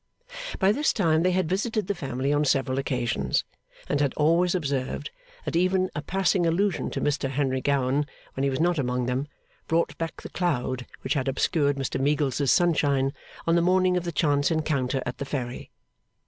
By this time they had visited the family on several occasions, and had always observed that even a passing allusion to Mr Henry Gowan when he was not among them, brought back the cloud which had obscured Mr Meagles's sunshine on the morning of the chance encounter at the Ferry.